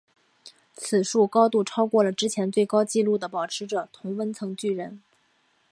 此树高度超过了之前最高纪录的保持者同温层巨人。